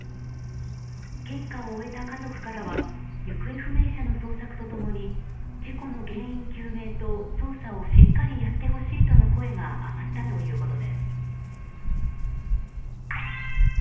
献花を終えた家族からは行方不明者の捜索と共に事故の原因究明と捜査をしっかりやってほしいとの声が上がったということです。